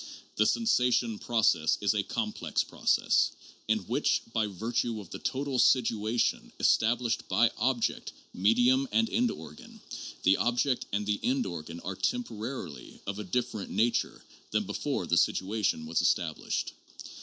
The sensation process is a complex process, in which, by virtue of the total situation established by object, medium, and end organ, the object and the end organ are temporarily of a dif ferent nature than before the situation was established.